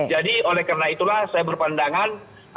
jadi oleh karena itulah saya berpandangan